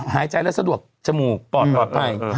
หายใจแล้วสะดวกทะหมูปลอดกลอดให้